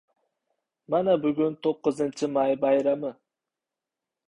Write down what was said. — Mana, bugun to'qqizinchi may bayrami.